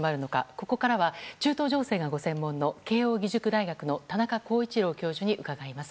ここからは中東情勢がご専門の慶應義塾大学の田中浩一郎教授に伺います。